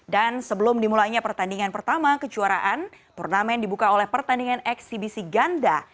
dan sebelum dimulainya pertandingan pertama kejuaraan turnamen dibuka oleh pertandingan eksibisi ganda